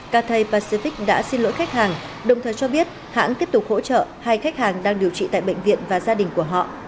kt pacific đã xin lỗi khách hàng đồng thời cho biết hãng tiếp tục hỗ trợ hai khách hàng đang điều trị tại bệnh viện và gia đình của họ